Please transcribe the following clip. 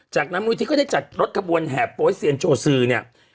จากน้ำนวยที่ก็ได้จัดรถกระบวนแหบโป๊ยเซียนโจซื้อเนี่ย